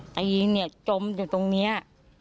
ทีนี้ต้มแต่ตรงเนี้ย